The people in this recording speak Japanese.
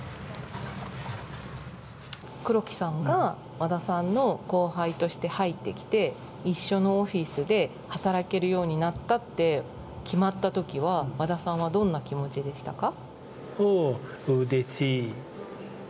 黒木さんが和田さんの後輩として入ってきて一緒のオフィスで働けるようになったって決まったときは和田さんはどんな気持ちでしたか？